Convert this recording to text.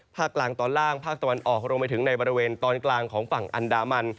ภาคกลางตอนล่างภาคตะวันออกรวมไปถึงในบริเวณตอนกลางของฝั่งอันดามัน